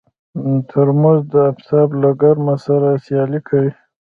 ترموز د افتاب له ګرمو سره سیالي کوي.